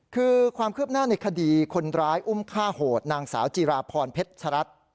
คือความคืบหน้าในคดีคนร้ายอุ้มฆ่าโหดนางสาวจิราพรเพชรชรัฐ